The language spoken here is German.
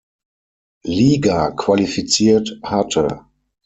Liga qualifiziert hatte.